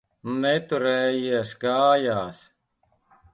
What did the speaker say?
Neturējies kājās.